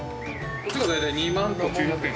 こっちがだいたい２万と９００円。